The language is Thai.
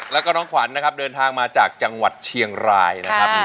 แล้วก็น้องขวัญนะครับเดินทางมาจากจังหวัดเชียงรายนะครับ